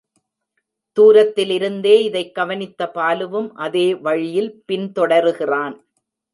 தூரத்திலிருந்தே இதைக் கவனித்த பாலுவும் அதே வழியில் பின் தொடருகிறான்.